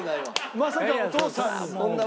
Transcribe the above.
まさかお父さんに。